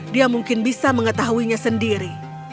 dia mungkin bisa mengetahuinya sendiri